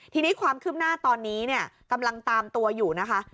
ทีนี้ความคืบหน้าตอนนี้เนี่ยกำลังตามตัวอยู่นะคะ